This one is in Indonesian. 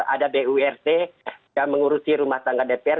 ada burt yang mengurusi rumah tangga dpr